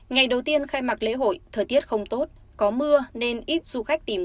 ngày đầu tiên khai mạc lễ hội thời tiết không tốt